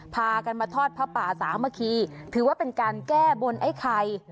พากันมาทอดผ้าป่าสามัคคีถือว่าเป็นการแก้บนไอ้ไข่